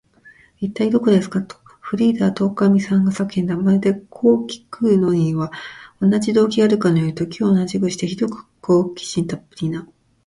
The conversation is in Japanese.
「いったい、どこですか？」と、フリーダとおかみとが叫んだ。まるで、こうきくのには同じ動機があるかのように、時を同じくして、ひどく好奇心たっぷりな